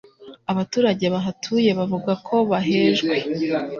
Abaturage bahatuye bavuga ko bahejwe